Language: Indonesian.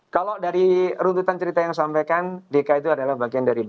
kalau dari runtutan cerita yang disampaikan dki itu adalah bagian dari b